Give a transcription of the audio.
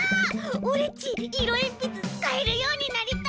オレっちいろえんぴつつかえるようになりたい！